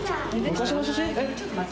ちょっと待って。